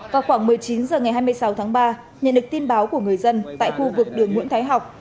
vào khoảng một mươi chín h ngày hai mươi sáu tháng ba nhận được tin báo của người dân tại khu vực đường nguyễn thái học